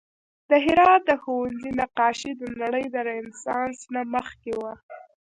د هرات د ښوونځي نقاشي د نړۍ د رنسانس نه مخکې وه